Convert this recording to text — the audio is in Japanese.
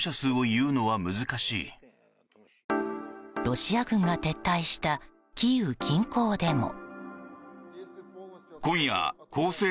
ロシア軍が撤退したキーウ近郊でも。